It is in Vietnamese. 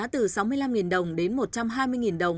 từ sáu mươi năm đồng đến một trăm hai mươi đồng